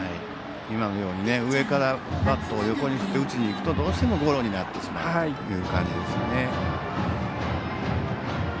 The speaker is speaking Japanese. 今のように上からバットを横に振っていくとどうしてもゴロになる感じですね。